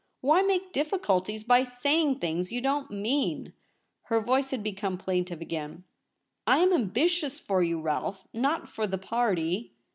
Why make difficuhies by saying things you don't mean ?' Her voice had become plaintive again. ' I am ambitious for you, Rolfe — not for the party.'